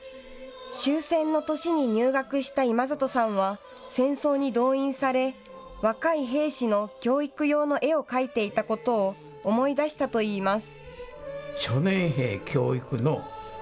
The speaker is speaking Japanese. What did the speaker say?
終戦の年に入学した今里さんは戦争に動員され、若い兵士の教育用の絵を描いていたことを思い出したといいます。